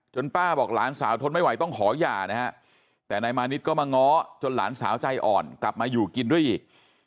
ป้าบอกหลานสาวทนไม่ไหวต้องขอหย่านะฮะแต่นายมานิดก็มาง้อจนหลานสาวใจอ่อนกลับมาอยู่กินด้วยอีก